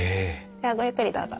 ではごゆっくりどうぞ。